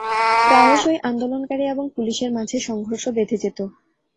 প্রায়শই আন্দোলনকারী এবং পুলিশের মাঝে সংঘর্ষ বেধে যেত।